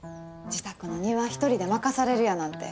自宅の庭を一人で任されるやなんて。